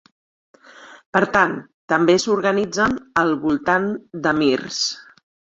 Per tant, també s'organitzen al voltant d'emirs.